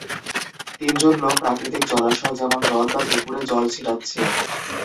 তিন জন লোক প্রাকৃতিক জলাশয় যেমন, হ্রদ বা পুকুরে জল ছিটাচ্ছে।